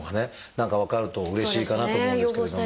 何か分かるとうれしいかなと思うんですけども。